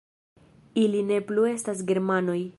Ili ne plu estas germanoj